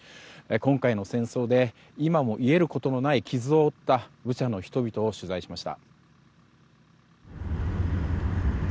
今回の戦争で今も癒えることのない傷を負ったブチャの人々を取材しました。